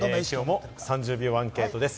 ３０秒アンケートです。